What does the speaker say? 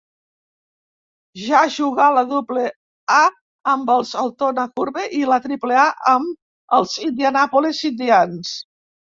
Ja jugar la Double-A amb els Altoona Curve i la Triple-A amb els Indianapolis Indians.